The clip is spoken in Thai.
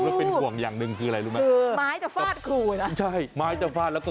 เด็กยังนิ่งไงฮะแต่ครูน่ะไปแล้วค่ะ